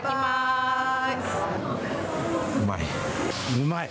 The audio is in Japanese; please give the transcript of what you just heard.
うまい。